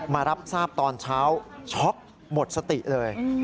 มารับทราบตอนเช้าช็อกหมดสติเลย